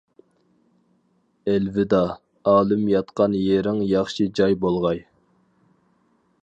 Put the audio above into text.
!؟ ئەلۋىدا، ئالىم ياتقان يېرىڭ ياخشى جاي بولغاي!